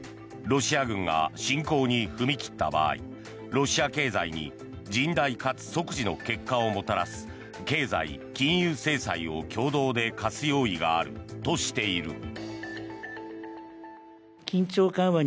ロシア軍が侵攻に踏み切った場合ロシア経済に甚大かつ即時の結果をもたらす経済・金融制裁を共同で科す用意があるとしている。